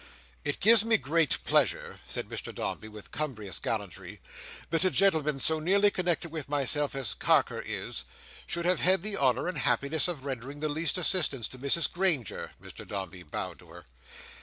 "It gives me great pleasure," said Mr Dombey, with cumbrous gallantry, "that a gentleman so nearly connected with myself as Carker is, should have had the honour and happiness of rendering the least assistance to Mrs Granger." Mr Dombey bowed to her.